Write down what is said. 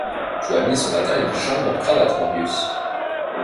Tu as mis ce matin une charmante cravate, Marius.